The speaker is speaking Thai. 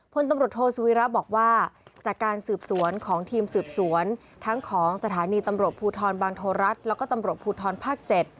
พตโทสวีระบอกว่าจากการสืบสวนของทีมสืบสวนทั้งของสถานีตภูทรบางโทรัศน์และตภูทรภาค๗